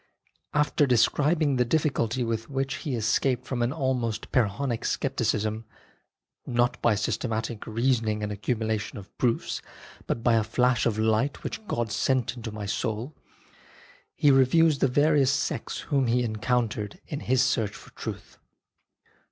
After describing the difficulty with which he escaped from an almost Pyrrhonic scepticism, " not by systematic reasoning and accumulation of proofs, but by a flash of light which God sent into my soul," he reviews the various sects whom he encountered in his search for truth.